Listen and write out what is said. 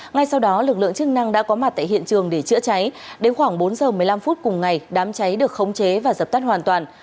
ngay sau đó lực lượng chức năng đã có mặt tại hiện trường để chữa cháy đến khoảng bốn giờ một mươi năm phút cùng ngày đám cháy được khống chế và dập tắt hoàn toàn